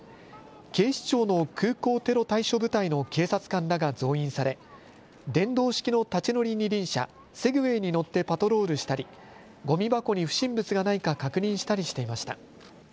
警視庁の空港テロ対処部隊の警察官らが増員され電動式の立ち乗り二輪車、セグウェイに乗ってパトロールしたりごみ箱に不審物がないか確認したりしていました。